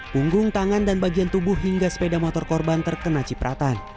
punggung tangan dan bagian tubuh hingga sepeda motor korban terkena cipratan